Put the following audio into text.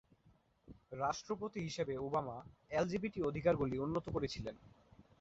রাষ্ট্রপতি হিসাবে Obama LGBT অধিকারগুলি উন্নত করেছিলেন।